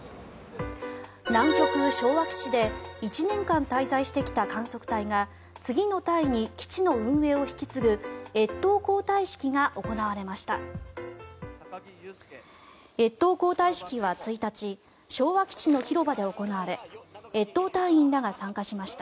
南極・昭和基地で１年間滞在してきた観測隊が次の隊に基地の運営を引き継ぐ越冬交代式が行われました。